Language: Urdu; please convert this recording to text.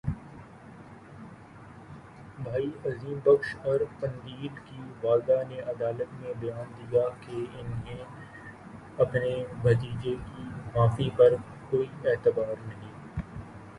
بھائی عظیم بخش اور قندیل کی والدہ نے عدالت میں بیان دیا کہ انہیں اپنے بھتیجے کی معافی پر کوئی اعتبار نہیں